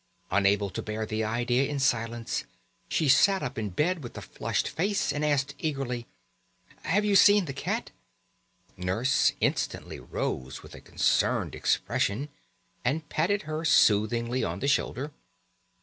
Unable to bear the idea in silence, she sat up in bed with a flushed face and asked eagerly: "Have you seen the cat?" Nurse instantly rose with a concerned expression, and patted her soothingly on the shoulder.